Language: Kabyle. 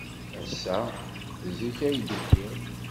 Ass-a, zik ay d-ukiɣ.